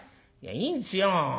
「いいんですよ。